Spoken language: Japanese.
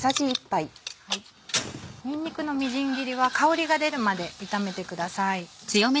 ニンニクのみじん切りは香りが出るまで炒めてください。